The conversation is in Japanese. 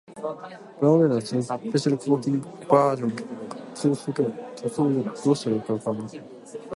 プラモデルのスペシャルコーティングバージョンは綺麗だが、工作や塗装をどうしたらよいのかわからない。